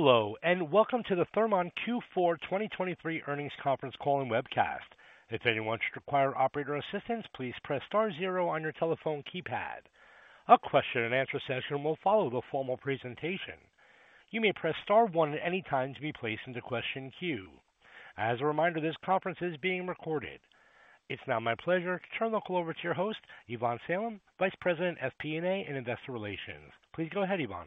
Hello, welcome to the Thermon Q4 2023 Earnings Conference Call and Webcast. If anyone should require operator assistance, please press star zero on your telephone keypad. A question and answer session will follow the formal presentation. You may press star one at any time to be placed into question queue. As a reminder, this conference is being recorded. It's now my pleasure to turn the call over to your host, Ivonne Salem, Vice President, FP&A, and Investor Relations. Please go ahead, Ivonne.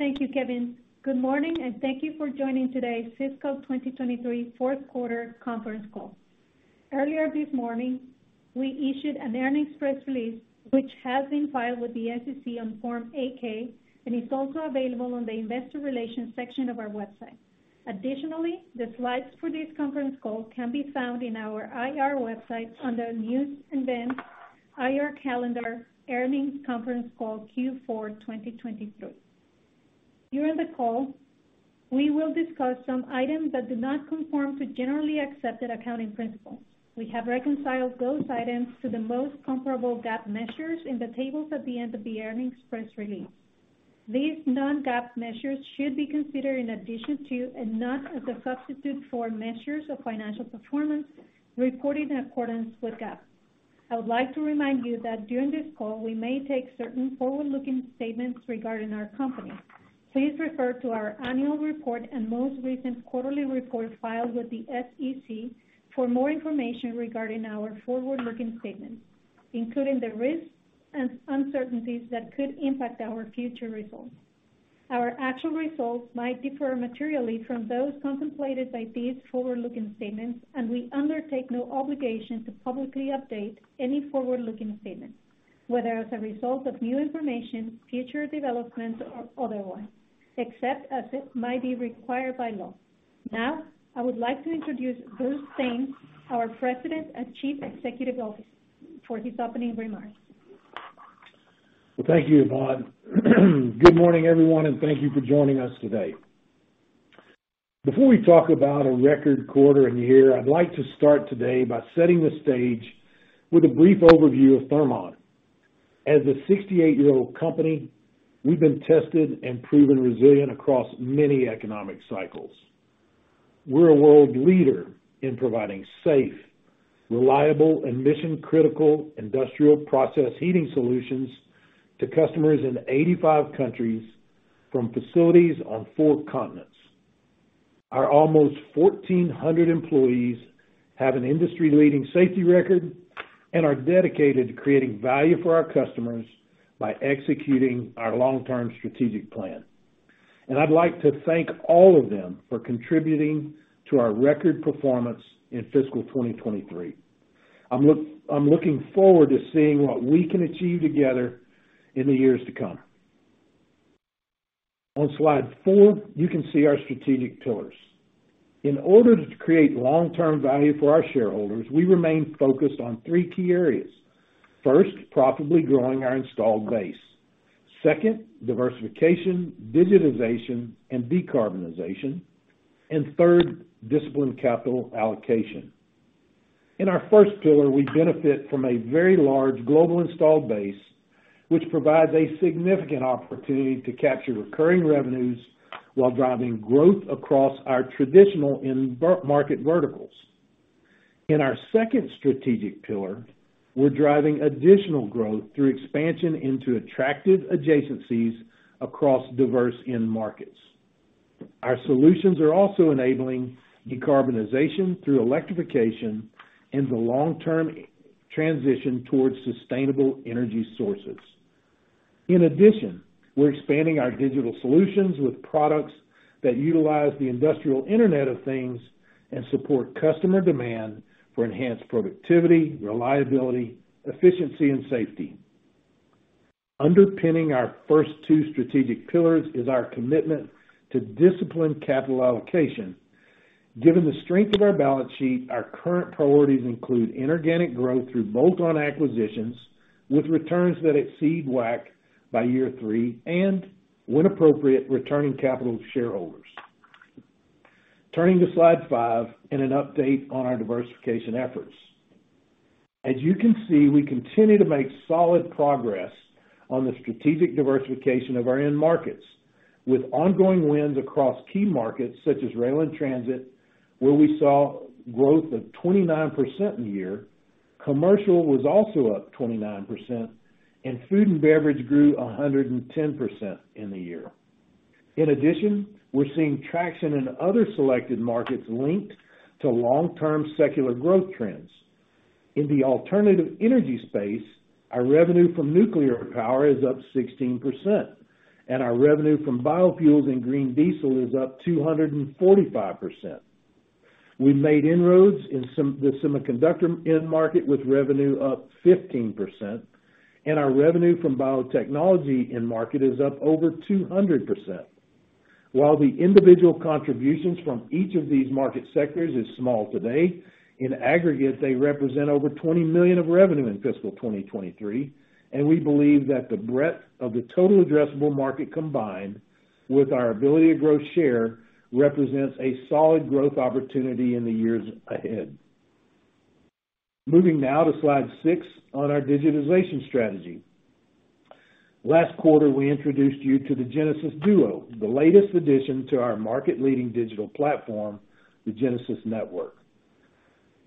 Thank you, Kevin. Good morning, and thank you for joining today's fiscal 2023 fourth quarter conference call. Earlier this morning, we issued an earnings press release, which has been filed with the SEC on Form 8-K and is also available on the investor relations section of our website. Additionally, the slides for this conference call can be found in our IR website under News and Events, IR Calendar, Earnings Conference Call Q4 2023. During the call, we will discuss some items that do not conform to generally accepted accounting principles. We have reconciled those items to the most comparable GAAP measures in the tables at the end of the earnings press release. These non-GAAP measures should be considered in addition to, and not as a substitute for, measures of financial performance reported in accordance with GAAP. I would like to remind you that during this call, we may take certain forward-looking statements regarding our company. Please refer to our annual report and most recent quarterly report filed with the SEC for more information regarding our forward-looking statements, including the risks and uncertainties that could impact our future results. Our actual results might differ materially from those contemplated by these forward-looking statements, and we undertake no obligation to publicly update any forward-looking statements, whether as a result of new information, future developments, or otherwise, except as it might be required by law. Now, I would like to introduce Bruce Thames, our President and Chief Executive Officer, for his opening remarks. Well, thank you, Ivonne. Good morning, everyone, thank you for joining us today. Before we talk about a record quarter and year, I'd like to start today by setting the stage with a brief overview of Thermon. As a 68-year-old company, we've been tested and proven resilient across many economic cycles. We're a world leader in providing safe, reliable, and mission-critical industrial process heating solutions to customers in 85 countries from facilities on four continents. Our almost 1,400 employees have an industry-leading safety record and are dedicated to creating value for our customers by executing our long-term strategic plan. I'd like to thank all of them for contributing to our record performance in fiscal 2023. I'm looking forward to seeing what we can achieve together in the years to come. On slide four, you can see our strategic pillars. In order to create long-term value for our shareholders, we remain focused on three key areas. First, profitably growing our installed base. Second, diversification, digitization, and decarbonization. Third, disciplined capital allocation. In our first pillar, we benefit from a very large global installed base, which provides a significant opportunity to capture recurring revenues while driving growth across our traditional end market verticals. In our second strategic pillar, we're driving additional growth through expansion into attractive adjacencies across diverse end markets. Our solutions are also enabling decarbonization through electrification and the long-term transition towards sustainable energy sources. In addition, we're expanding our digital solutions with products that utilize the industrial Internet of Things and support customer demand for enhanced productivity, reliability, efficiency, and safety. Underpinning our first two strategic pillars is our commitment to disciplined capital allocation. Given the strength of our balance sheet, our current priorities include inorganic growth through bolt-on acquisitions with returns that exceed WACC by year three, and when appropriate, returning capital to shareholders. Turning to slide five and an update on our diversification efforts. As you can see, we continue to make solid progress on the strategic diversification of our end markets, with ongoing wins across key markets such as rail and transit, where we saw growth of 29% in the year. Commercial was also up 29%, and food and beverage grew 110% in the year. In addition, we're seeing traction in other selected markets linked to long-term secular growth trends. In the alternative energy space, our revenue from nuclear power is up 16%, and our revenue from biofuels and green diesel is up 245%. We've made inroads in the semiconductor end market, with revenue up 15%, Our revenue from biotechnology end market is up over 200%. While the individual contributions from each of these market sectors is small today, in aggregate, they represent over $20 million of revenue in fiscal 2023, We believe that the breadth of the total addressable market, combined with our ability to grow share, represents a solid growth opportunity in the years ahead. Moving now to Slide six on our digitization strategy. Last quarter, we introduced you to the Genesis Duo, the latest addition to our market-leading digital platform, the Genesis Network.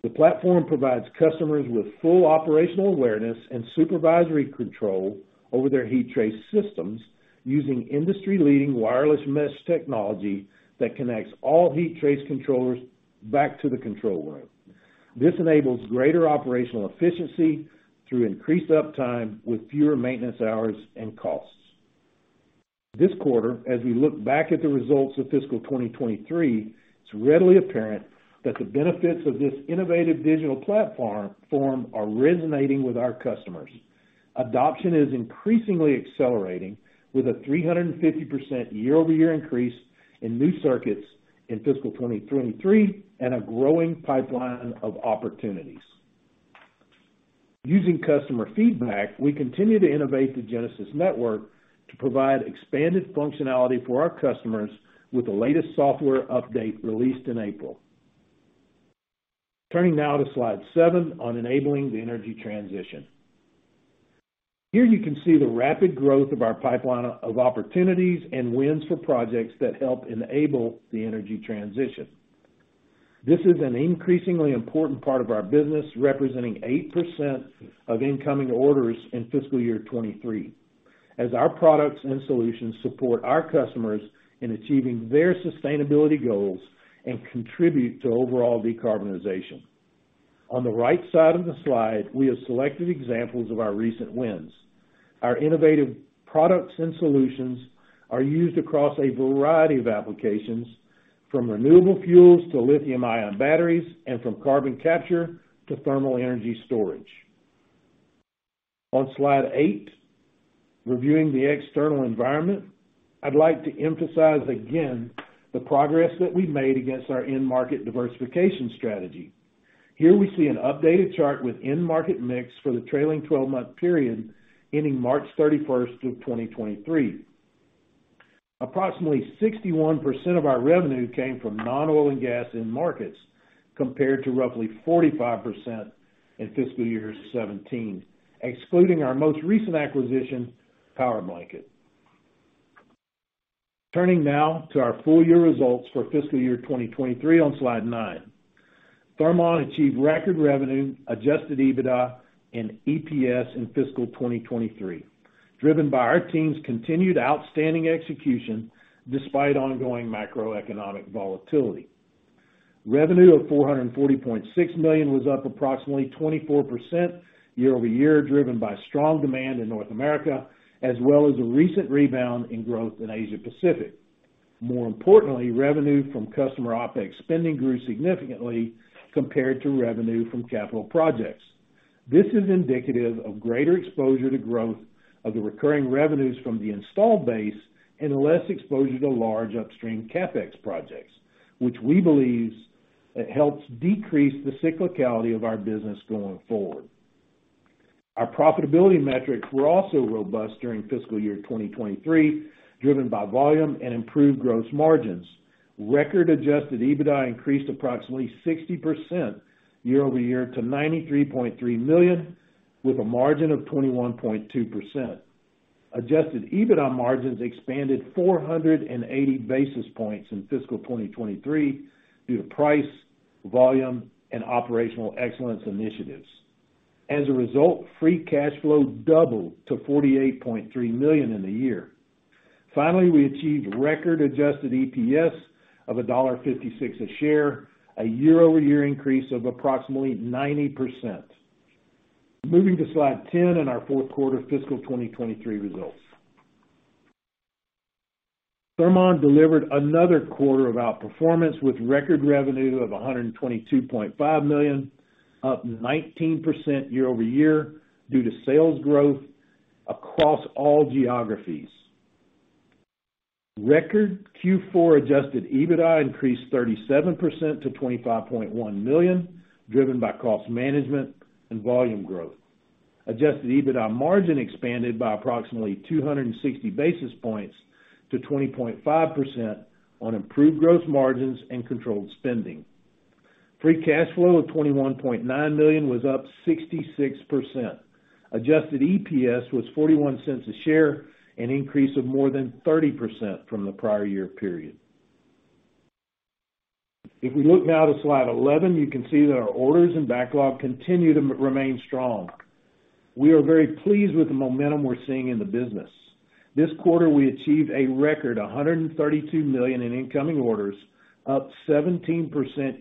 The platform provides customers with full operational awareness and supervisory control over their heat trace systems, using industry-leading wireless mesh technology that connects all heat trace controllers back to the control room. This enables greater operational efficiency through increased uptime, with fewer maintenance hours and costs. This quarter, as we look back at the results of fiscal 2023, it's readily apparent that the benefits of this innovative digital platform are resonating with our customers. Adoption is increasingly accelerating, with a 350% year-over-year increase in new circuits in fiscal 2023, and a growing pipeline of opportunities. Using customer feedback, we continue to innovate the Genesis Network to provide expanded functionality for our customers with the latest software update released in April. Turning now to Slide seven on enabling the energy transition. Here, you can see the rapid growth of our pipeline of opportunities and wins for projects that help enable the energy transition. This is an increasingly important part of our business, representing 8% of incoming orders in fiscal year 23, as our products and solutions support our customers in achieving their sustainability goals and contribute to overall decarbonization. On the right side of the slide, we have selected examples of our recent wins. Our innovative products and solutions are used across a variety of applications, from renewable fuels to lithium-ion batteries, and from carbon capture to thermal energy storage. On Slide eight, reviewing the external environment, I'd like to emphasize again, the progress that we've made against our end market diversification strategy. Here, we see an updated chart with end market mix for the trailing 12-month period, ending March 31st of 2023. Approximately 61% of our revenue came from non-oil and gas end markets, compared to roughly 45% in fiscal year 2017, excluding our most recent acquisition, Powerblanket. Turning now to our full year results for fiscal year 2023 on Slide nine. Thermon achieved record revenue, adjusted EBITDA, and EPS in fiscal 2023, driven by our team's continued outstanding execution despite ongoing macroeconomic volatility. Revenue of $440.6 million was up approximately 24% year-over-year, driven by strong demand in North America, as well as a recent rebound in growth in Asia Pacific. More importantly, revenue from customer OpEx spending grew significantly compared to revenue from capital projects. This is indicative of greater exposure to growth of the recurring revenues from the installed base and less exposure to large upstream CapEx projects, which we believe helps decrease the cyclicality of our business going forward. Our profitability metrics were also robust during fiscal year 2023, driven by volume and improved gross margins. Record-adjusted EBITDA increased approximately 60% year-over-year to $93.3 million, with a margin of 21.2%. Adjusted EBITDA margins expanded 480 basis points in fiscal 2023 due to price, volume, and operational excellence initiatives. As a result, free cash flow doubled to $48.3 million in the year. We achieved record adjusted EPS of $1.56 a share, a year-over-year increase of approximately 90%. Moving to Slide 10 and our fourth quarter fiscal 2023 results. Thermon delivered another quarter of outperformance, with record revenue of $122.5 million, up 19% year-over-year due to sales growth across all geographies. Record Q4 adjusted EBITDA increased 37% to $25.1 million, driven by cost management and volume growth. Adjusted EBITDA margin expanded by approximately 260 basis points to 20.5% on improved gross margins and controlled spending. Free cash flow of $21.9 million was up 66%. Adjusted EPS was $0.41 a share, an increase of more than 30% from the prior year period. We look now to Slide 11, you can see that our orders and backlog continue to remain strong. We are very pleased with the momentum we're seeing in the business. This quarter, we achieved a record, $132 million in incoming orders, up 17%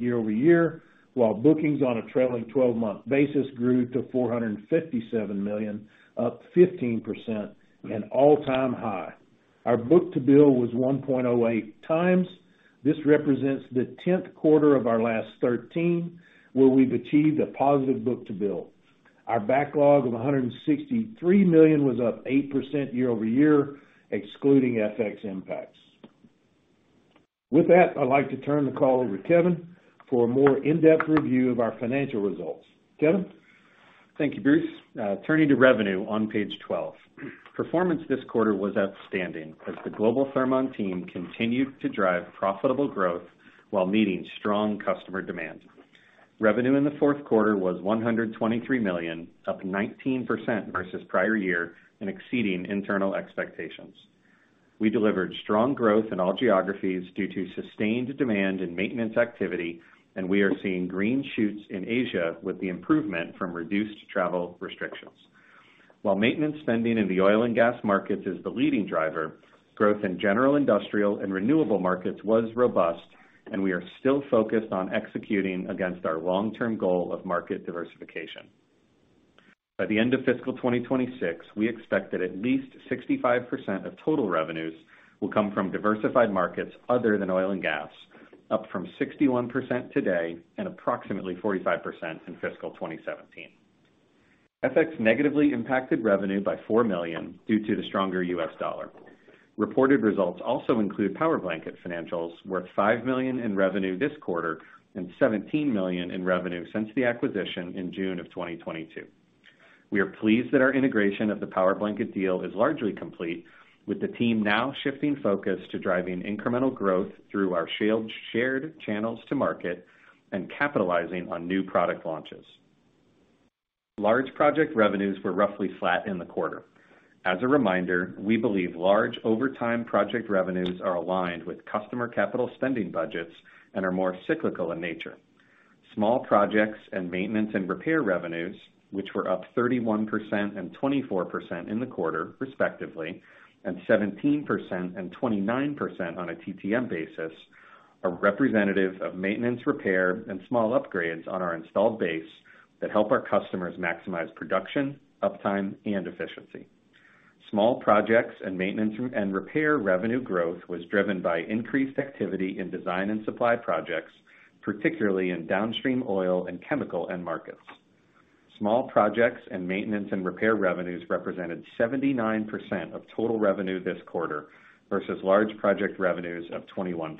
year-over-year, while bookings on a trailing twelve-month basis grew to $457 million, up 15%, an all-time high. Our book-to-bill was 1.08 times. This represents the 10th quarter of our last 13, where we've achieved a positive book-to-bill. Our backlog of $163 million was up 8% year-over-year, excluding FX impacts. With that, I'd like to turn the call over to Kevin for a more in-depth review of our financial results. Kevin? Thank you, Bruce. turning to revenue on page 12. Performance this quarter was outstanding as the global Thermon team continued to drive profitable growth while meeting strong customer demand. Revenue in the fourth quarter was $123 million, up 19% versus prior year and exceeding internal expectations. We delivered strong growth in all geographies due to sustained demand and maintenance activity. We are seeing green shoots in Asia with the improvement from reduced travel restrictions. While maintenance spending in the oil and gas markets is the leading driver, growth in general industrial and renewable markets was robust. We are still focused on executing against our long-term goal of market diversification. By the end of fiscal 2026, we expect that at least 65% of total revenues will come from diversified markets other than oil and gas, up from 61% today and approximately 45% in fiscal 2017. FX negatively impacted revenue by $4 million due to the stronger US dollar. Reported results also include Powerblanket financials worth $5 million in revenue this quarter and $17 million in revenue since the acquisition in June of 2022. We are pleased that our integration of the Powerblanket deal is largely complete, with the team now shifting focus to driving incremental growth through our shared channels to market and capitalizing on new product launches. Large project revenues were roughly flat in the quarter. As a reminder, we believe large overtime project revenues are aligned with customer capital spending budgets and are more cyclical in nature. Small projects and maintenance and repair revenues, which were up 31% and 24% in the quarter, respectively, and 17% and 29% on a TTM basis, are representative of maintenance, repair, and small upgrades on our installed base that help our customers maximize production, uptime, and efficiency. Small projects and maintenance and repair revenue growth was driven by increased activity in design and supply projects, particularly in downstream oil and chemical end markets. Small projects and maintenance and repair revenues represented 79% of total revenue this quarter versus large project revenues of 21%.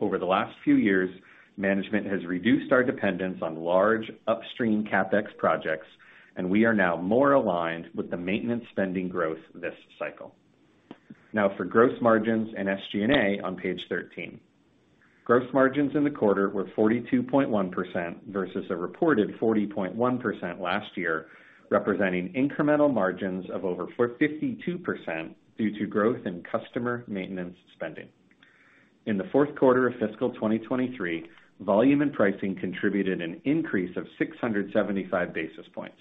Over the last few years, management has reduced our dependence on large upstream CapEx projects. We are now more aligned with the maintenance spending growth this cycle. For gross margins and SG&A on page 13. Gross margins in the quarter were 42.1% versus a reported 40.1% last year, representing incremental margins of over 52% due to growth in customer maintenance spending. In the fourth quarter of fiscal 2023, volume and pricing contributed an increase of 675 basis points.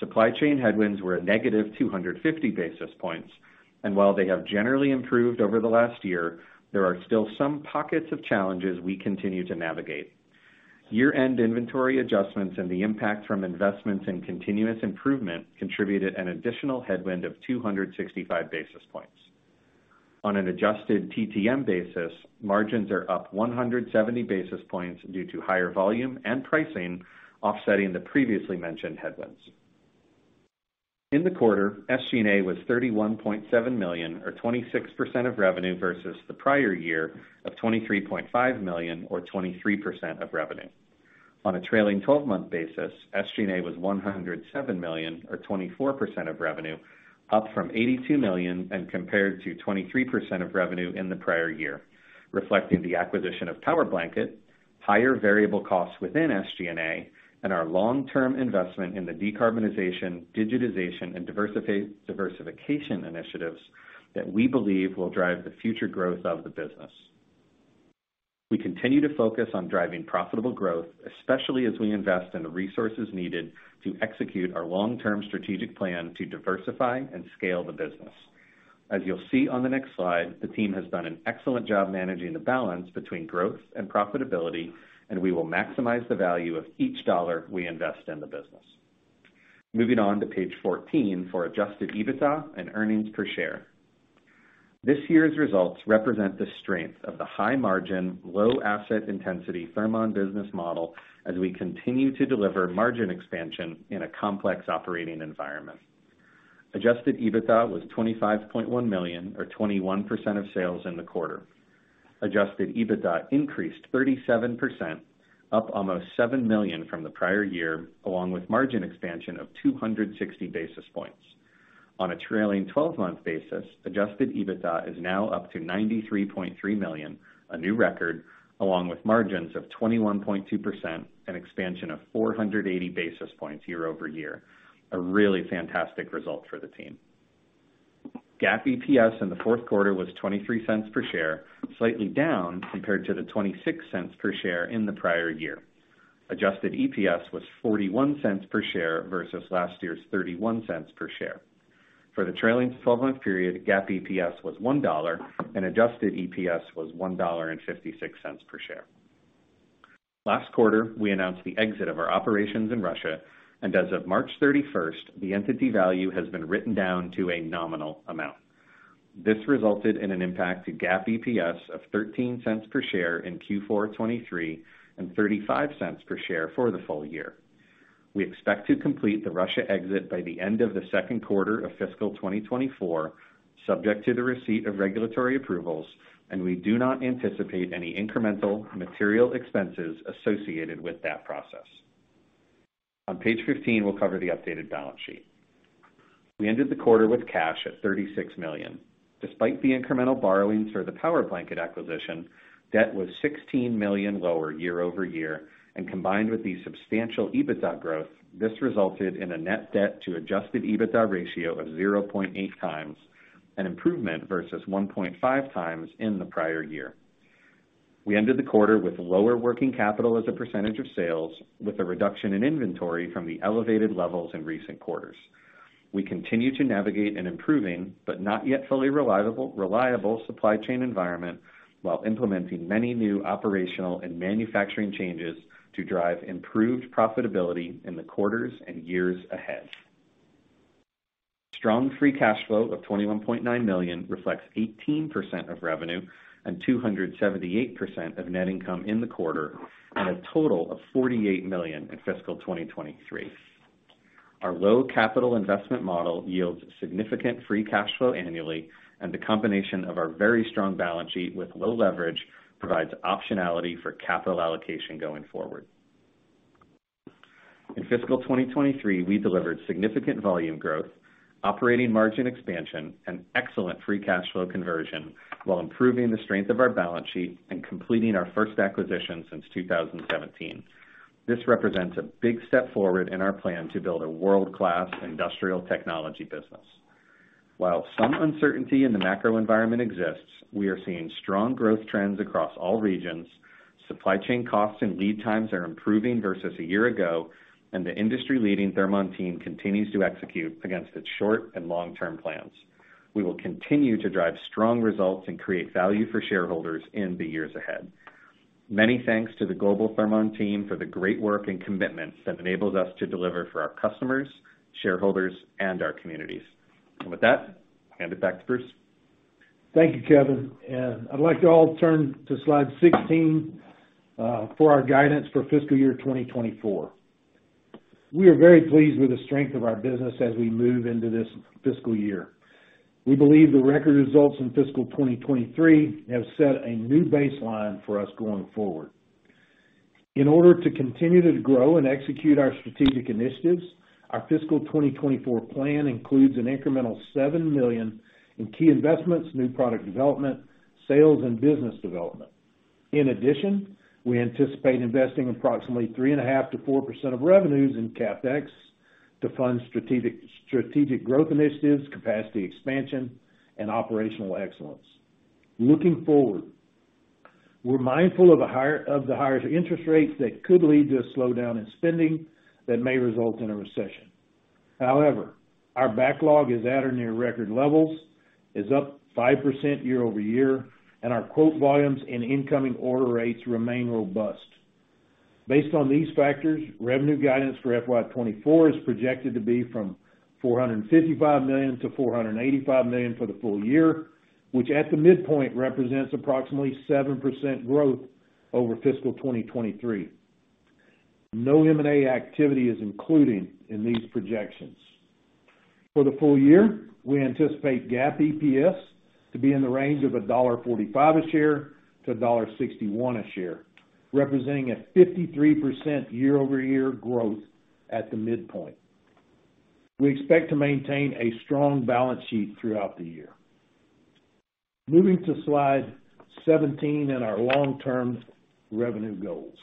Supply chain headwinds were a negative 250 basis points, while they have generally improved over the last year, there are still some pockets of challenges we continue to navigate. Year-end inventory adjustments and the impact from investments in continuous improvement contributed an additional headwind of 265 basis points. On an adjusted TTM basis, margins are up 170 basis points due to higher volume and pricing, offsetting the previously mentioned headwinds. In the quarter, SG&A was $31.7 million, or 26% of revenue, versus the prior year of $23.5 million, or 23% of revenue. On a trailing twelve-month basis, SG&A was $107 million, or 24% of revenue, up from $82 million and compared to 23% of revenue in the prior year, reflecting the acquisition of Powerblanket, higher variable costs within SG&A, and our long-term investment in the decarbonization, digitization, and diversification initiatives that we believe will drive the future growth of the business. We continue to focus on driving profitable growth, especially as we invest in the resources needed to execute our long-term strategic plan to diversify and scale the business. As you'll see on the next slide, the team has done an excellent job managing the balance between growth and profitability, and we will maximize the value of each dollar we invest in the business. Moving on to page 14 for adjusted EBITDA and earnings per share. This year's results represent the strength of the high margin, low asset intensity Thermon business model as we continue to deliver margin expansion in a complex operating environment. Adjusted EBITDA was $25.1 million, or 21% of sales in the quarter. Adjusted EBITDA increased 37%, up almost $7 million from the prior year, along with margin expansion of 260 basis points. On a trailing twelve-month basis, adjusted EBITDA is now up to $93.3 million, a new record, along with margins of 21.2%, an expansion of 480 basis points year-over-year. A really fantastic result for the team. GAAP EPS in the fourth quarter was $0.23 per share, slightly down compared to the $0.26 per share in the prior year. Adjusted EPS was $0.41 per share versus last year's $0.31 per share. For the trailing twelve-month period, GAAP EPS was $1 and adjusted EPS was $1.56 per share. Last quarter, we announced the exit of our operations in Russia, and as of March 31, the entity value has been written down to a nominal amount. This resulted in an impact to GAAP EPS of $0.13 per share in Q4 2023, and $0.35 per share for the full year. We expect to complete the Russia exit by the end of the second quarter of fiscal 2024, subject to the receipt of regulatory approvals. We do not anticipate any incremental material expenses associated with that process. On page 15, we'll cover the updated balance sheet. We ended the quarter with cash at $36 million. Despite the incremental borrowings for the Powerblanket acquisition, debt was $16 million lower year-over-year, and combined with the substantial EBITDA growth, this resulted in a net debt to adjusted EBITDA ratio of 0.8 times, an improvement versus 1.5 times in the prior year. We ended the quarter with lower working capital as a percentage of sales, with a reduction in inventory from the elevated levels in recent quarters. We continue to navigate an improving, but not yet fully reliable supply chain environment, while implementing many new operational and manufacturing changes to drive improved profitability in the quarters and years ahead. Strong free cash flow of $21.9 million reflects 18% of revenue and 278% of net income in the quarter, and a total of $48 million in fiscal 2023. Our low capital investment model yields significant free cash flow annually, and the combination of our very strong balance sheet with low leverage provides optionality for capital allocation going forward. In fiscal 2023, we delivered significant volume growth, operating margin expansion, and excellent free cash flow conversion, while improving the strength of our balance sheet and completing our first acquisition since 2017. This represents a big step forward in our plan to build a world-class industrial technology business. While some uncertainty in the macro environment exists, we are seeing strong growth trends across all regions, supply chain costs and lead times are improving versus a year ago, and the industry-leading Thermon team continues to execute against its short and long-term plans. We will continue to drive strong results and create value for shareholders in the years ahead. Many thanks to the global Thermon team for the great work and commitment that enables us to deliver for our customers, shareholders, and our communities. With that, I'll hand it back to Bruce. Thank you, Kevin. I'd like to all turn to slide 16 for our guidance for fiscal year 2024. We are very pleased with the strength of our business as we move into this fiscal year. We believe the record results in fiscal 2023 have set a new baseline for us going forward. In order to continue to grow and execute our strategic initiatives, our fiscal 2024 plan includes an incremental $7 million in key investments, new product development, sales, and business development. In addition, we anticipate investing approximately 3.5%-4% of revenues in CapEx to fund strategic growth initiatives, capacity expansion, and operational excellence. Looking forward, we're mindful of the higher interest rates that could lead to a slowdown in spending that may result in a recession. However, our backlog is at or near record levels, is up 5% year-over-year, and our quote volumes and incoming order rates remain robust. Based on these factors, revenue guidance for FY 2024 is projected to be from $455 million-$485 million for the full year, which at the midpoint represents approximately 7% growth over fiscal 2023. No M&A activity is included in these projections. For the full year, we anticipate GAAP EPS to be in the range of $1.45 a share-$1.61 a share, representing a 53% year-over-year growth at the midpoint. We expect to maintain a strong balance sheet throughout the year. Moving to slide 17 and our long-term revenue goals.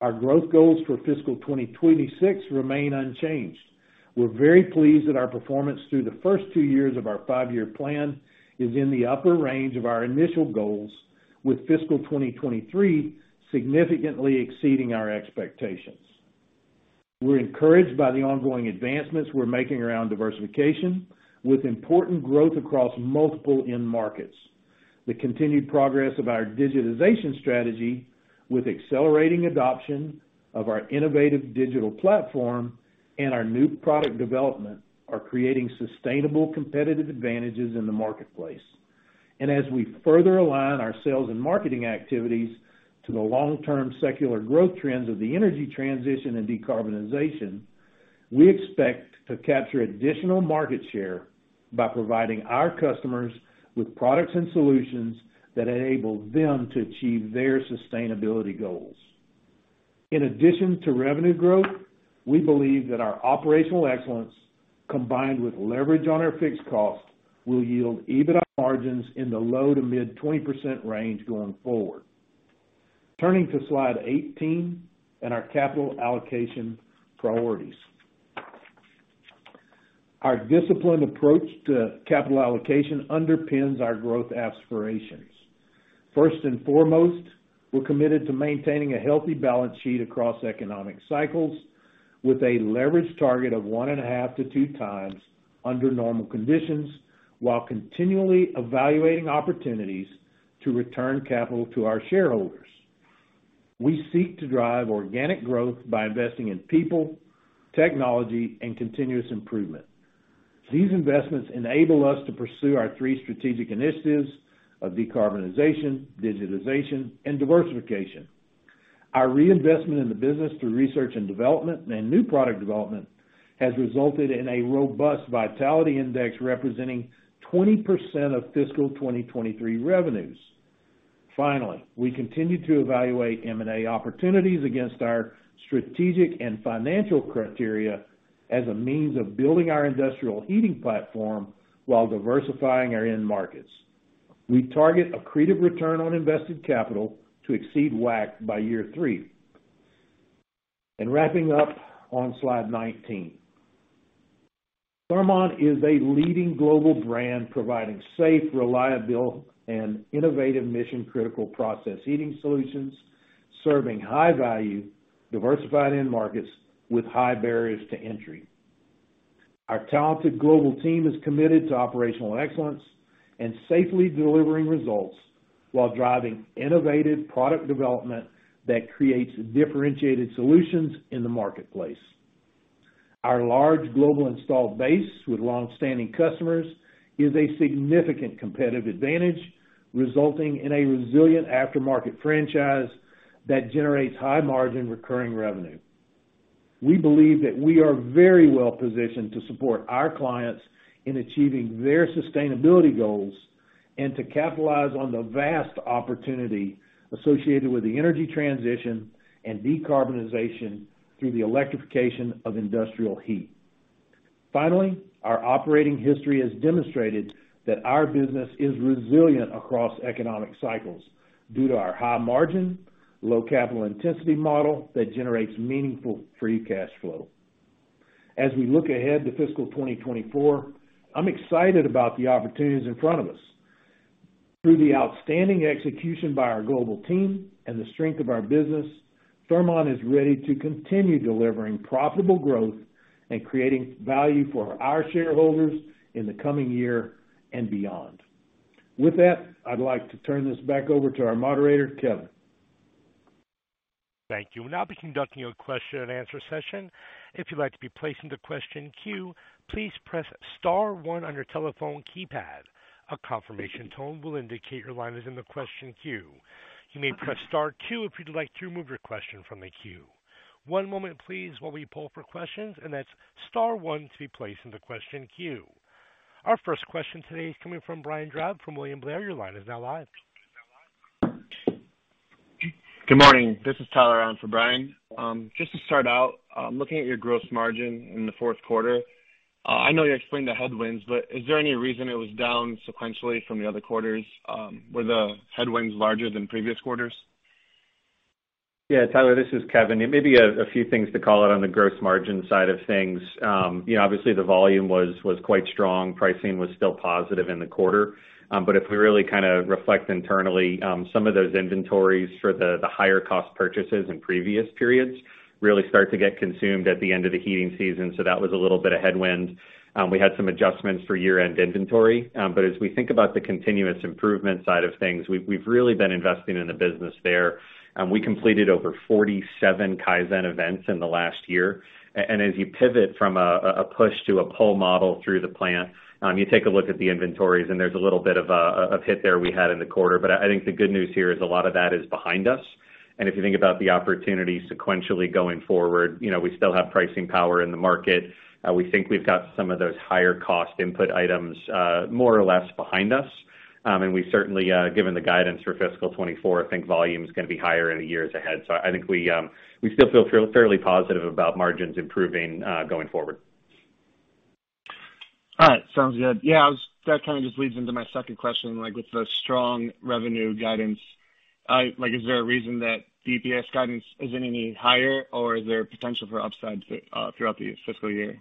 Our growth goals for fiscal 2026 remain unchanged. We're very pleased that our performance through the first two years of our five-year plan is in the upper range of our initial goals, with fiscal 2023 significantly exceeding our expectations. We're encouraged by the ongoing advancements we're making around diversification, with important growth across multiple end markets. The continued progress of our digitization strategy, with accelerating adoption of our innovative digital platform and our new product development, are creating sustainable competitive advantages in the marketplace. As we further align our sales and marketing activities to the long-term secular growth trends of the energy transition and decarbonization, we expect to capture additional market share by providing our customers with products and solutions that enable them to achieve their sustainability goals. In addition to revenue growth, we believe that our operational excellence, combined with leverage on our fixed costs, will yield EBITDA margins in the low to mid-20% range going forward. Turning to slide 18 and our capital allocation priorities. Our disciplined approach to capital allocation underpins our growth aspirations. First and foremost, we're committed to maintaining a healthy balance sheet across economic cycles, with a leverage target of 1.5 to 2 times under normal conditions, while continually evaluating opportunities to return capital to our shareholders. We seek to drive organic growth by investing in people, technology, and continuous improvement. These investments enable us to pursue our three strategic initiatives of decarbonization, digitization, and diversification. Our reinvestment in the business through research and development and new product development has resulted in a robust Vitality Index representing 20% of fiscal 2023 revenues. Finally, we continue to evaluate M&A opportunities against our strategic and financial criteria as a means of building our industrial heating platform while diversifying our end markets. We target accretive return on invested capital to exceed WACC by year three. Wrapping up on slide 19. Thermon is a leading global brand providing safe, reliable, and innovative mission-critical process heating solutions, serving high-value, diversified end markets with high barriers to entry. Our talented global team is committed to operational excellence and safely delivering results while driving innovative product development that creates differentiated solutions in the marketplace. Our large global installed base with long-standing customers is a significant competitive advantage, resulting in a resilient aftermarket franchise that generates high margin recurring revenue. We believe that we are very well positioned to support our clients in achieving their sustainability goals and to capitalize on the vast opportunity associated with the energy transition and decarbonization through the electrification of industrial heat. Finally, our operating history has demonstrated that our business is resilient across economic cycles due to our high margin, low capital intensity model that generates meaningful free cash flow. As we look ahead to fiscal 2024, I'm excited about the opportunities in front of us. Through the outstanding execution by our global team and the strength of our business, Thermon is ready to continue delivering profitable growth and creating value for our shareholders in the coming year and beyond. With that, I'd like to turn this back over to our moderator, Kevin. Thank you. We'll now be conducting a question and answer session. If you'd like to be placed into question queue, please press star one on your telephone keypad. A confirmation tone will indicate your line is in the question queue. You may press star two if you'd like to remove your question from the queue. One moment please, while we pull for questions, and that's star one to be placed in the question queue. Our first question today is coming from Brian Drab from William Blair. Your line is now live. Good morning. This is Tyler on for Brian. Just to start out, looking at your gross margin in the fourth quarter, I know you explained the headwinds, but is there any reason it was down sequentially from the other quarters? Were the headwinds larger than previous quarters? Yeah, Tyler, this is Kevin. Maybe a few things to call out on the gross margin side of things. You know, obviously the volume was quite strong. Pricing was still positive in the quarter. If we really kinda reflect internally, some of those inventories for the higher cost purchases in previous periods really start to get consumed at the end of the heating season. That was a little bit of headwind. We had some adjustments for year-end inventory, but as we think about the continuous improvement side of things, we've really been investing in the business there. We completed over 47 Kaizen events in the last year, and as you pivot from a push to a pull model through the plant, you take a look at the inventories, and there's a little bit of a, of hit there we had in the quarter. I think the good news here is a lot of that is behind us, and if you think about the opportunity sequentially going forward, you know, we still have pricing power in the market. We think we've got some of those higher cost input items, more or less behind us. We certainly, given the guidance for fiscal 2024, I think volume is gonna be higher in the years ahead. I think we still feel fairly positive about margins improving going forward. All right. Sounds good. That kind of just leads into my second question, like, with the strong revenue guidance, like, is there a reason that the EPS guidance isn't any higher, or is there potential for upside throughout the fiscal year?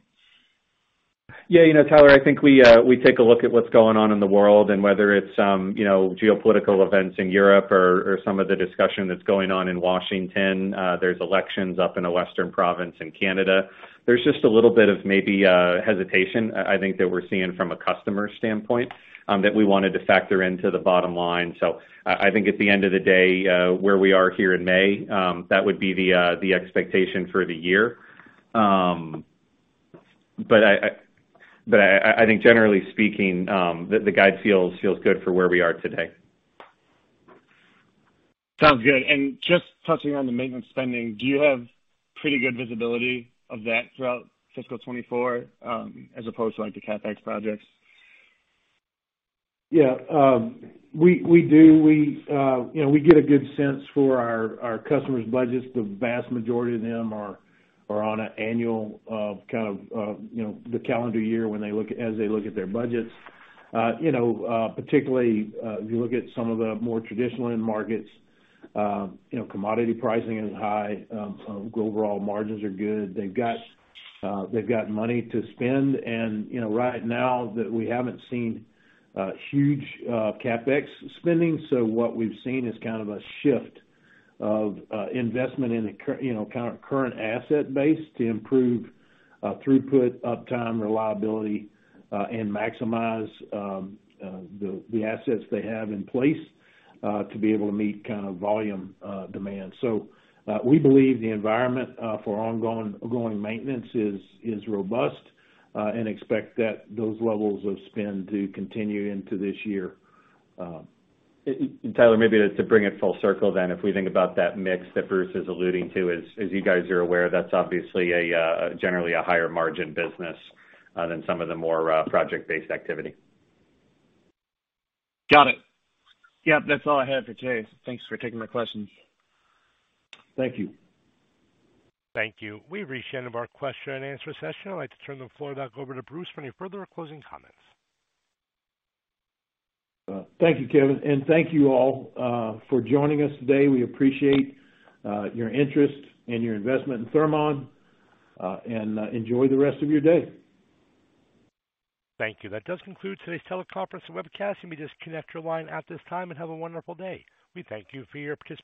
Yeah, you know, Tyler, I think we take a look at what's going on in the world, and whether it's, you know, geopolitical events in Europe or some of the discussion that's going on in Washington, there's elections up in a western province in Canada. There's just a little bit of maybe hesitation, I think that we're seeing from a customer standpoint, that we wanted to factor into the bottom line. I think at the end of the day, where we are here in May, that would be the expectation for the year. I think generally speaking, the guide feels good for where we are today. Sounds good. just touching on the maintenance spending, do you have pretty good visibility of that throughout fiscal 24, as opposed to, like, the CapEx projects? Yeah, we do. We, you know, we get a good sense for our customers' budgets. The vast majority of them are on an annual, kind of, you know, the calendar year as they look at their budgets. You know, particularly, if you look at some of the more traditional end markets, you know, commodity pricing is high, overall margins are good. They've got money to spend and, you know, right now that we haven't seen huge CapEx spending. What we've seen is kind of a shift of investment in the you know, kind of current asset base to improve throughput, uptime, reliability, and maximize the assets they have in place to be able to meet kind of volume demand. We believe the environment for ongoing maintenance is robust and expect that those levels of spend to continue into this year. Tyler, maybe to bring it full circle, if we think about that mix that Bruce is alluding to, as you guys are aware, that's obviously a generally a higher margin business than some of the more project-based activity. Got it. Yep, that's all I had for today. Thanks for taking my questions. Thank you. Thank you. We've reached the end of our question and answer session. I'd like to turn the floor back over to Bruce for any further closing comments. Thank you, Kevin, and thank you all for joining us today. We appreciate your interest and your investment in Thermon, and enjoy the rest of your day. Thank you. That does conclude today's teleconference and webcast. You may disconnect your line at this time and have a wonderful day. We thank you for your participation.